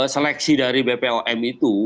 seleksi dari bpom itu